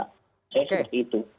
saya seperti itu